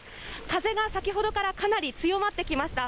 風が先ほどからかなり強まってきました。